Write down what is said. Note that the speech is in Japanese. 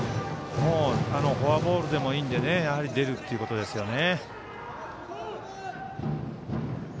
フォアボールでもいいので出るってことですね。